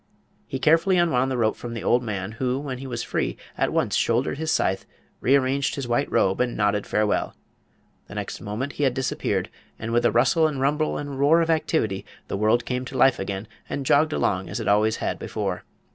He carefully unwound the rope from the old man, who, when he was free, at once shouldered his scythe, rearranged his white robe and nodded farewell. The next moment he had disappeared, and with a rustle and rumble and roar of activity the world came to life again and jogged along as it always had before.